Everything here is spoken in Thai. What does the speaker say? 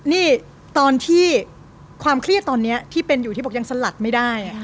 นี่ตอนที่ความเครียดตอนนี้ที่เป็นอยู่ที่บอกยังสลัดไม่ได้